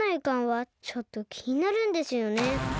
かんはちょっときになるんですよね。